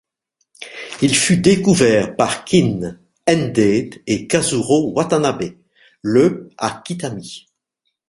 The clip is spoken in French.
Il fut découvert par Kin Endate et Kazuro Watanabe le à Kitami.